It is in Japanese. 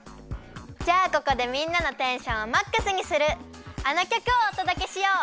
じゃあここでみんなのテンションをマックスにするあのきょくをおとどけしよう！